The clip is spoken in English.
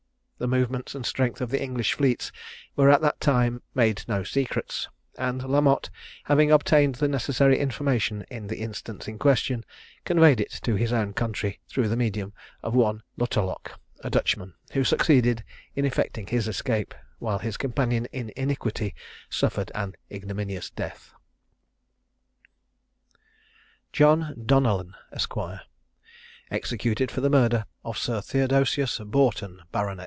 The movements and strength of the English fleets were at that time made no secrets; and La Motte, having obtained the necessary information in the instance in question, conveyed it to his own country through the medium of one Luttorlok, a Dutchman, who succeeded in effecting his escape, while his companion in iniquity suffered an ignominious death. JOHN DONELLAN, ESQ. EXECUTED FOR THE MURDER OF SIR THEODOSIUS BOUGHTON, BART.